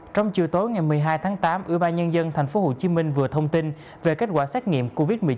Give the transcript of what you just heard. trong chiều tối ngày một mươi hai tháng tám ủy ban nhân dân tp hcm vừa thông tin về kết quả xét nghiệm covid một mươi chín